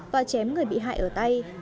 và chém người bị hại ở tay